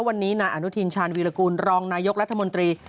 วันนี้นายอนุทินชาญวีรกูลรองนายกรัฐมนตรี